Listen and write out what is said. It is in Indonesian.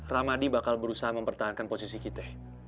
ramadi bakal berusaha mempertahankan posisi kita